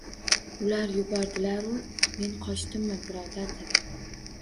— Ular yubordilaru, men qochdimmi, birodar, — dedi.